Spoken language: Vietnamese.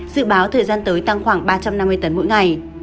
dự báo thời gian tới tăng khoảng ba trăm năm mươi tấn mỗi ngày